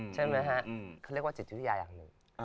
ใช่ไหมฮะเขาเรียกว่าจิตวิทยาอย่างหนึ่ง